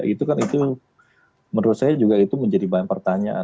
itu kan itu menurut saya juga itu menjadi bahan pertanyaan